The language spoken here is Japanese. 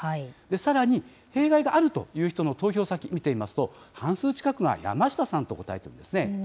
さらに、弊害があるという人の投票先、見てみますと、半数近くが山下さんと答えていますね。